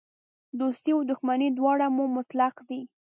دوستي او دښمني دواړه مو مطلق دي.